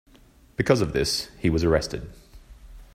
Because of this, he was arrested.